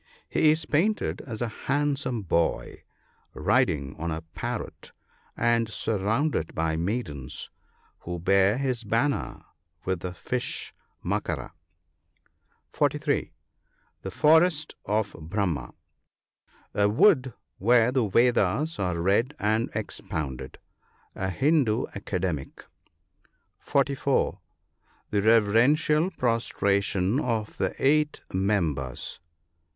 He is painted as a handsome boy, riding on a parrot, and surrounded by maidens, who bear his banner with the fish Makara. (43) The forest of Brahma. — A wood where the Vedas are read and expounded. A Hindoo Academe. (44.) The reverential prosti atiou of the eight members.